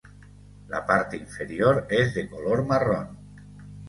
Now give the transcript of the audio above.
La parte inferior es de color marrón.